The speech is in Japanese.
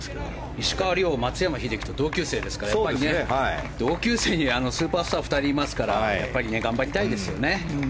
石川遼、松山英樹と同級生ですから同級生にスーパースター２人いますからやっぱり頑張りたいですよね。